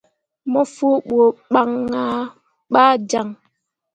Mo fu ɓu ban ah ɓa gaŋ.